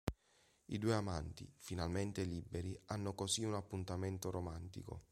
I due amanti, finalmente liberi, hanno così un appuntamento romantico.